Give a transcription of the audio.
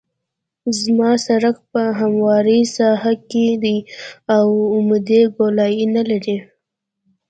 زما سرک په همواره ساحه کې دی او عمودي ګولایي نلري